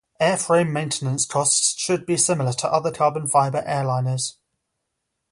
Airframe maintenance costs should be similar to other carbon fiber airliners.